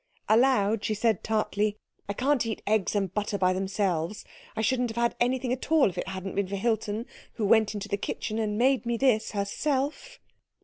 Aloud she said tartly, "I can't eat eggs and butter by themselves. I shouldn't have had anything at all if it hadn't been for Hilton, who went into the kitchen and made me this herself."